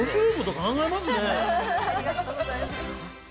ありがとうございます。